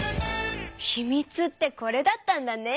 秘密ってこれだったんだね！